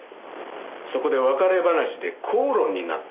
そこで別れ話で口論になった。